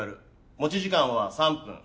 持ち時間は３分。